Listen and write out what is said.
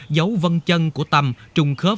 dấu vân chân của tầm trùng khớp